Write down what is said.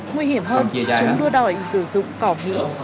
nguy hiểm hơn chúng đua đòi sử dụng cỏ mỹ